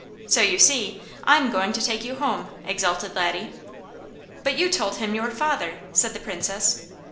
So you see, I'm going to take you home," exulted Laddie. "But you told him your FATHER," said the Princess.